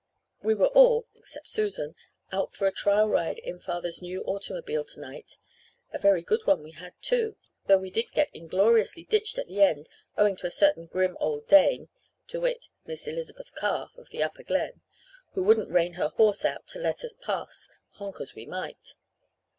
"We were all except Susan out for a trial ride in father's new automobile tonight. A very good one we had, too, though we did get ingloriously ditched at the end, owing to a certain grim old dame to wit, Miss Elizabeth Carr of the Upper Glen who wouldn't rein her horse out to let us pass, honk as we might.